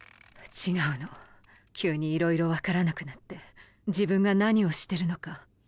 違うの急にいろいろ分からなくなって自分が何をしてるのか。